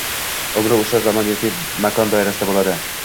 umri o‘sha zamon yoki makon doirasida bo‘ladi.